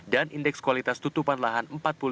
dan indeks kualitas tutupan lahan empat puluh lima lima puluh